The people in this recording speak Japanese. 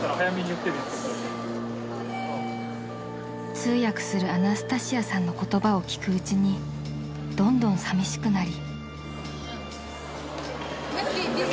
［通訳するアナスタシアさんの言葉を聞くうちにどんどんさみしくなり］